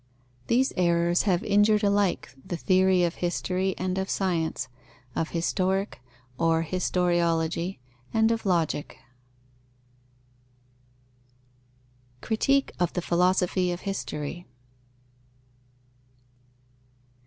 These errors have injured alike the theory of history and of science, of Historic (or Historiology) and of Logic. _Critique of the philosophy of history.